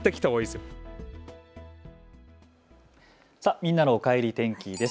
みんなのおかえり天気です。